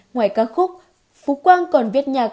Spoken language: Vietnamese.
ngoài các khúc phú quang còn viết nhạc